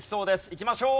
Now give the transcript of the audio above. いきましょう！